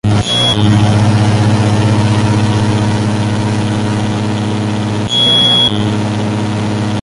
El motivo más extendido está constituido por hileras de rombos sobre fondo liso.